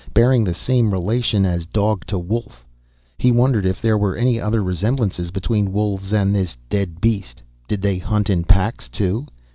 Bearing the same relation as dog to wolf. He wondered if there were any other resemblances between wolves and this dead beast. Did they hunt in packs, too?